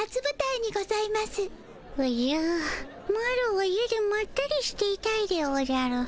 おじゃマロは家でまったりしていたいでおじゃる。